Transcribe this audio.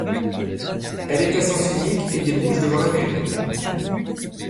Elle est à sens unique et débouche devant la Mairie.